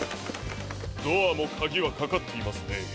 ドアもカギはかかっていますね。